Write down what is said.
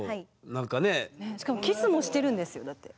しかもキスもしてるんですよだって。